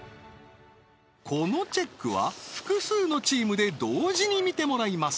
このチェックは複数のチームで同時に見てもらいます